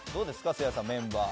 せいやさん、メンバー。